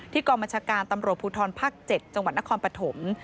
กองบัญชาการตำรวจภูทรภาค๗จังหวัดนครปฐม